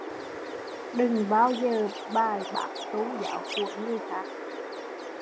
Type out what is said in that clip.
Đừng bao giờ bài bác tôn giáo của người khác